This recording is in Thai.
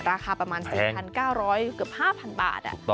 ราคาประมาณ๔๙๐๐เกือบ๕๐๐บาท